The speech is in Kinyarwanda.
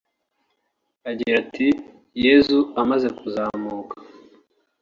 Agira ati “Yezu amaze kuzamuka